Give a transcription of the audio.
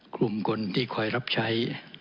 กลุ่มคนที่คอยรับใช้